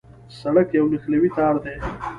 سړک یو نښلوی تار دی.